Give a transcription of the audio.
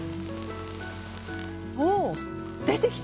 お出てきた！